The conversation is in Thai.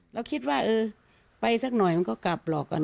แล้วคิดว่าเออไปสักหน่อยมันก็กลับหรอก